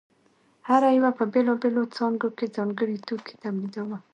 هر یوه په بېلابېلو څانګو کې ځانګړی توکی تولیداوه